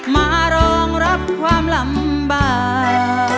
มารองรับความลำบาก